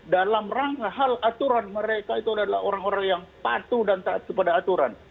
dalam rangka hal aturan mereka itu adalah orang orang yang patuh dan taat kepada aturan